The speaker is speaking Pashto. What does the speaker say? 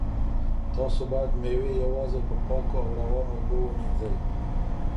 تاسو باید مېوې یوازې په پاکو او روانو اوبو ومینځئ.